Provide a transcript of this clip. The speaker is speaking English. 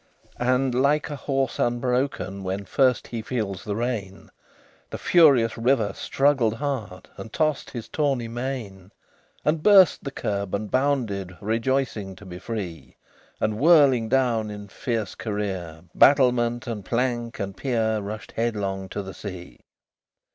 LVI And, like a horse unbroken When first he feels the rein, The furious river struggled hard, And tossed his tawny mane, And burst the curb and bounded, Rejoicing to be free, And whirling down, in fierce career, Battlement, and plank, and pier, Rushed headlong to the sea.